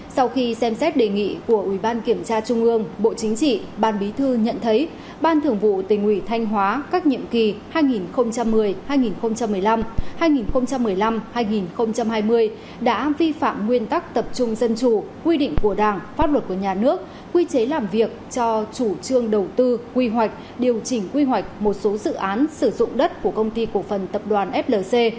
sau khi xem xét đề nghị của ủy ban kiểm tra trung ương bộ chính trị ban bí thư nhận thấy ban thường vụ tỉnh ủy thanh hóa các nhiệm kỳ hai nghìn một mươi hai nghìn một mươi năm hai nghìn một mươi năm hai nghìn hai mươi đã vi phạm nguyên tắc tập trung dân chủ quy định của đảng pháp luật của nhà nước quy chế làm việc cho chủ trương đầu tư quy hoạch điều chỉnh quy hoạch một số dự án sử dụng đất của công ty cổ phần tập đoàn flc